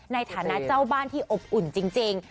ในฐานะเจ้าบ้านที่อบอุ่นจริง